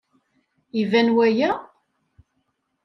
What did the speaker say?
Iban waya?